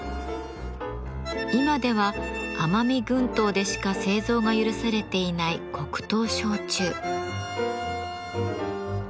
今では奄美群島でしか製造が許されていない黒糖焼酎。